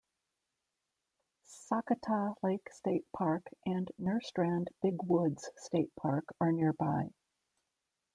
Sakatah Lake State Park and Nerstrand-Big Woods State Park are nearby.